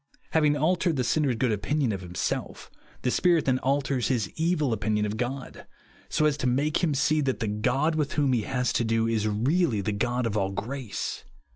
Having altered the sinner's good opinion of himself, the Spirit then alters his evil opinion of God, so as to make him see that the God with whom he has to do is really the God of all grace.